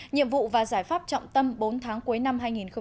nhiệm vụ và giải pháp trọng tâm bốn tháng cuối năm hai nghìn một mươi sáu